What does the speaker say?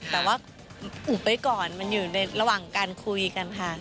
แต่ว่าอุบไว้ก่อนมันอยู่ในระหว่างการคุยกันค่ะ